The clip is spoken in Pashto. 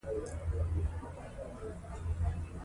د مېلو په جریان کښي خلک خپلي دودیزي جامې اغوندي.